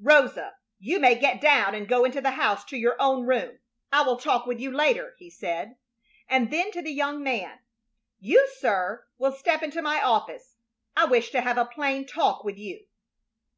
"Rosa, you may get down and go into the house to your own room. I will talk with you later," he said. And then to the young man, "You, sir, will step into my office. I wish to have a plain talk with you."